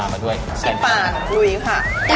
พริกป่างล๋วยค่ะ